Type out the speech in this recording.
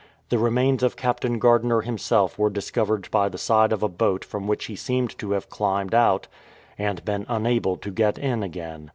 The remains of Captain Gardiner himself were discovered by the side of a boat from which he seemed to have climbed out and been unable to get in again.